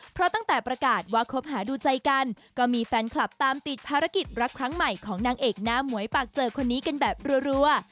เพราะตั้งแต่ประกาศว่าคบหาดูใจกันก็มีแฟนคลับตามติดภารกิจรักครั้งใหม่ของนางเอกหน้าหมวยปากเจอคนนี้กันแบบรัว